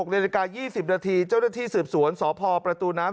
นาฬิกา๒๐นาทีเจ้าหน้าที่สืบสวนสพประตูน้ำ